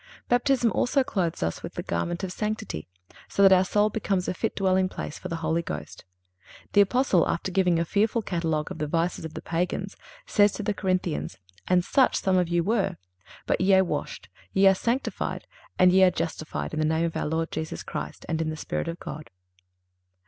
Baptism also clothes us with the garment of sanctity, so that our soul becomes a fit dwelling place for the Holy Ghost. The Apostle, after giving a fearful catalogue of the vices of the Pagans, says to the Corinthians: "And such some of you were; but ye are washed, but ye are sanctified, but ye are justified in the name of our Lord Jesus Christ, and in the Spirit of God."